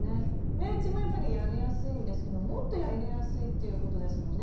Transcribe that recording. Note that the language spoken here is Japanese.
目打ちもやっぱりやりやすいんですけどもっとやりやすいっていうことですもんね